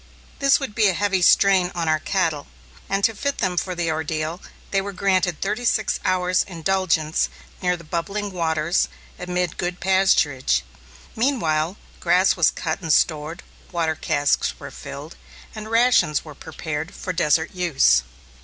This would be a heavy strain on our cattle, and to fit them for the ordeal they were granted thirty six hours' indulgence near the bubbling waters, amid good pasturage. Meanwhile, grass was cut and stored, water casks were filled, and rations were prepared for desert use.